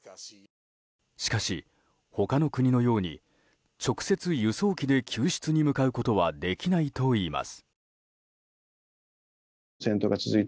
しかし他の国のように直接、輸送機で救出に向かうことはできないといいます。